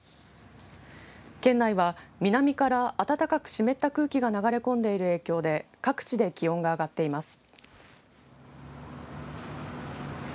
県内は、南から暖かく湿った空気が流れ込んでいる影響で各地で気温が上がっています。